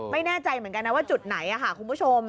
ไม่แน่ใจเหมือนกันนะว่าจุดไหนค่ะคุณผู้ชม